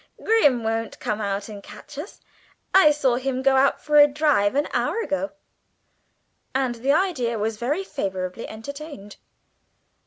Grim won't come out and catch us. I saw him go out for a drive an hour ago." And the idea was very favourably entertained.